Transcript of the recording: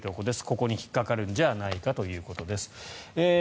ここに引っかかるんじゃないかということです。